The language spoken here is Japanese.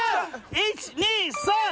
１２３！